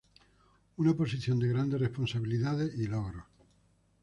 Una posición de grandes responsabilidades y logros.